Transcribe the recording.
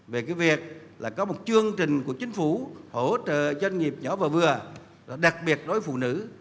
về việc có một chương trình của chính phủ hỗ trợ cho doanh nghiệp nhỏ và vừa đặc biệt đối với phụ nữ